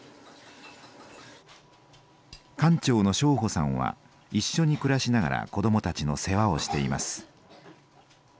館長の荘保さんは一緒に暮らしながら子どもたちの世話をしています。